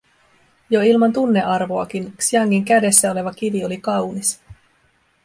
Jo ilman tunnearvoakin Xiangin kädessä oleva kivi oli kaunis;